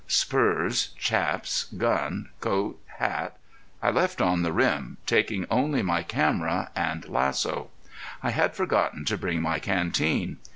Spurs, chaps, gun, coat, hat, I left on the rim, taking only my camera and lasso. I had forgotten to bring my canteen.